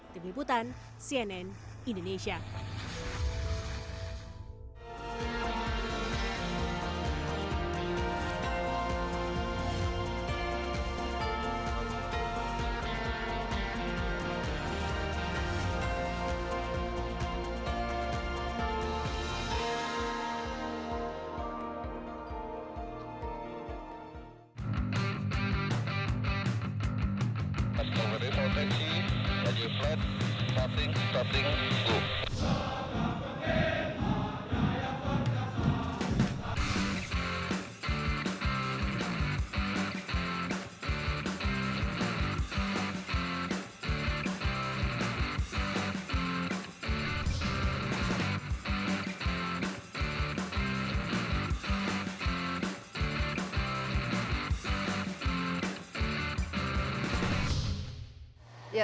tim liputan cnn indonesia